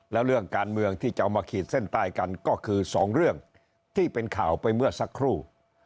แล้วเรื่องการเมืองที่จะเอามาขีดเส้นใต้กันก็คือสองเรื่องที่เป็นข่าวไปเมื่อสักครู่